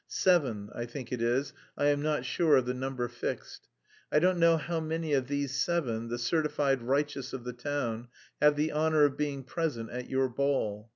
seven, I think it is, I am not sure of the number fixed.... I don't know how many of these seven, the certified righteous of the town... have the honour of being present at your ball.